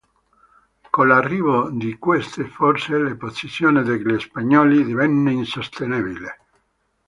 Con l'arrivo di queste forze la posizione degli spagnoli divenne insostenibile.